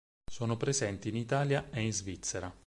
Sono presenti in Italia e in Svizzera.